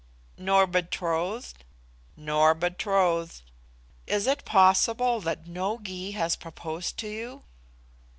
"Nor betrothed?" "Nor betrothed." "Is it possible that no Gy has proposed to you?"